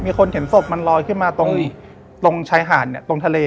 มีคนเห็นศพมันลอยขึ้นมาตรงชายห่านตรงทะเล